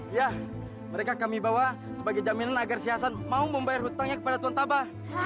ya mereka kami bawa sebagai jaminan agar si hasan mau membayar hutangnya kepada tuan tabah